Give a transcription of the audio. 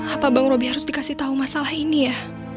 apa bang robby harus dikasih tau masalah ini ya